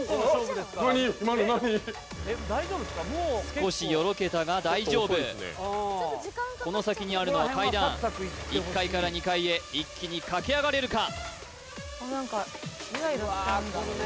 少しよろけたが大丈夫この先にあるのは階段１階から２階へ一気に駆け上がれるか？